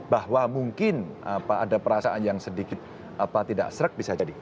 bahwa mungkin apa ada perasaan yang sedikit apa tidak serak bisa jadi